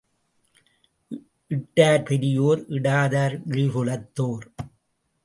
இட்டார் பெரியோர் இடாதார் இழிகுலத்தோர்.